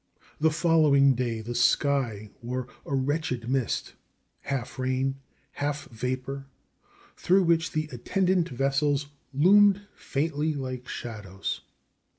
The following day the sky wore a wretched mist half rain, half vapor through which the attendant vessels loomed faintly like shadows.